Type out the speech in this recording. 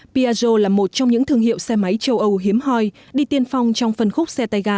piaggio là một trong những thương hiệu xe máy châu âu hiếm hoi đi tiên phong trong phân khúc xe tay ga